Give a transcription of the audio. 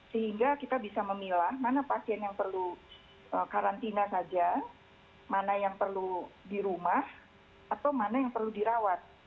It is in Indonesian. sehingga kita bisa memilah mana pasien yang perlu karantina saja mana yang perlu di rumah atau mana yang perlu dirawat